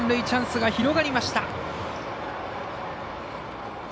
チャンスが広がりました。